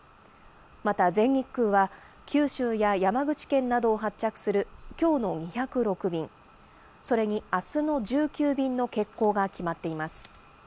また全日空は九州や山口県などを発着するきょうの２０６便、それにあすの１９便の欠航が決まっています。